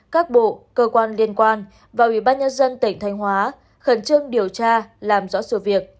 các bộ cơ quan liên quan và ủy ban nhân dân tỉnh thanh hóa khẩn trương điều tra làm rõ sự việc